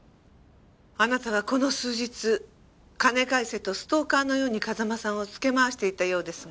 あなたはこの数日金返せとストーカーのように風間さんをつけ回していたようですが。